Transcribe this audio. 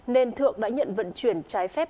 nên thượng đã nhận vận chuyển trái phép